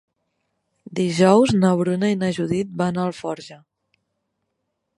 Dijous na Bruna i na Judit van a Alforja.